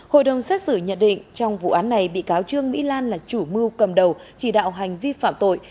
hội đồng xét xử nhận định trong vụ án này bị cáo trương mỹ lan là chủ mưu cầm đầu chỉ đạo hành vi phạm tội